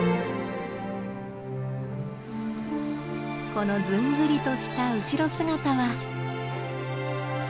このずんぐりとした後ろ姿は。